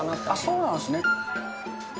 そうなんですね。